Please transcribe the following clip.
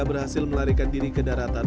berhasil melarikan diri ke daratan